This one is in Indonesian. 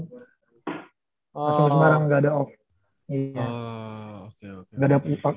ke semarang gak ada off